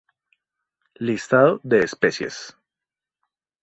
Listado de especies.